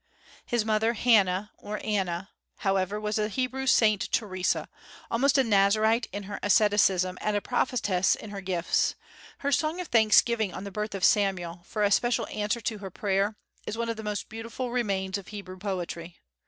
His mother Hannah (or Anna), however, was a Hebrew Saint Theresa, almost a Nazarite in her asceticism and a prophetess in her gifts; her song of thanksgiving on the birth of Samuel, for a special answer to her prayer, is one of the most beautiful remains of Hebrew poetry.